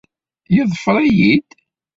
Yeḍfer-iyi-d.